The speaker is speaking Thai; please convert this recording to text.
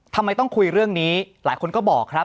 ทำไมต้องคุยเรื่องนี้หลายคนก็บอกครับ